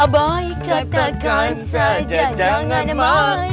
baik katakan saja jangan mau